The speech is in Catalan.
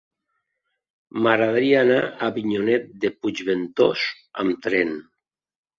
M'agradaria anar a Avinyonet de Puigventós amb tren.